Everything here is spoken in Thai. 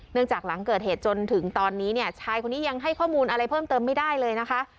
หลังจากหลังเกิดเหตุจนถึงตอนนี้เนี่ยชายคนนี้ยังให้ข้อมูลอะไรเพิ่มเติมไม่ได้เลยนะคะ